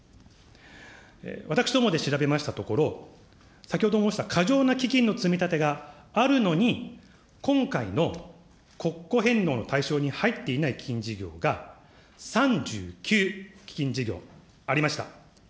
私どもで調べましたところ、先ほど申した過剰な基金の積み立てがあるのに、今回の国庫返納の対象に入っていない基金事業が、３９基金事業ありました。